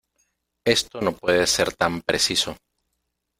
esto no puede ser tan preciso.